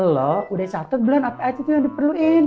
lo udah nyatuk bulan apa itu yang diperluin